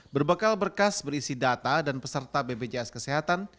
berbekal berkas berisi data dan peserta bpjs kesehatan